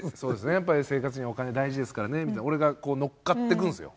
やっぱり生活にはお金大事ですからねみたいな俺がこう乗っかっていくんですよ。